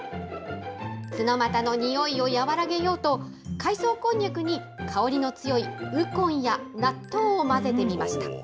ツノマタのにおいを和らげようと、海藻こんにゃくに香りの強いウコンや納豆を混ぜてみました。